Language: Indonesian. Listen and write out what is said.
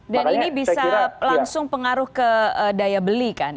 dan ini bisa langsung pengaruh ke daya beli kan